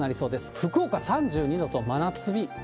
福岡３２度と真夏日。